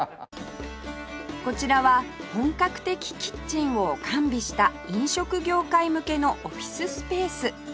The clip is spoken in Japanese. こちらは本格的キッチンを完備した飲食業界向けのオフィススペース